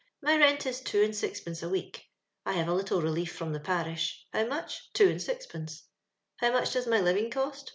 My rent is two and sixpence a week. I have a little rehef horn the parish. How much ? Two and^xpence. How much does my living cost